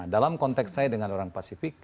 dalam konteks saya dengan orang pasifik